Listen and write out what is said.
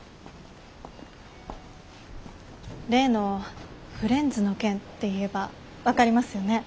例のフレンズの件って言えば分かりますよね。